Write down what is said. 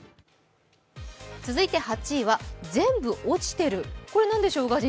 続いて８位は「全部おちてる」、これ、何でしょう。